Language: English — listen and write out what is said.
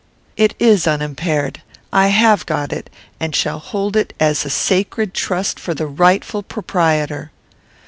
"It is unimpaired. I have got it, and shall hold it as a sacred trust for the rightful proprietor."